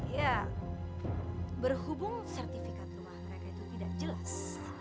ya berhubung sertifikat rumah mereka itu tidak jelas